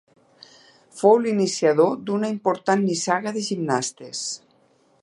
Fou l'iniciador d'una important nissaga de gimnastes.